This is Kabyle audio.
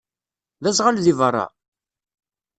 D aẓɣal deg beṛṛa?